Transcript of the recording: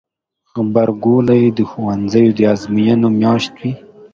غبرګولی د ښوونځیو د ازموینو میاشت وي.